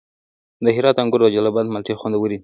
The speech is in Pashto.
د هرات انګور او د جلال اباد مالټې خوندورې دي.